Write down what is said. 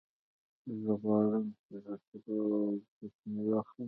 زه غواړم چې د سرو ګوتمۍ واخلم